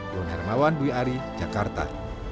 don hermawan dwi ari jakarta